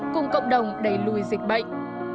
cùng cộng đồng đẩy lùi dịch bệnh